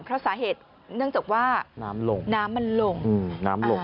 เพราะสาเหตุเนื่องจากว่าน้ำมันหลง